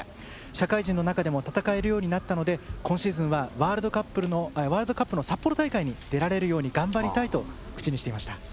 社会人の中でも戦えるようになったので今シーズンはワールドカップの札幌大会に出られるように頑張りたいと口にしていました。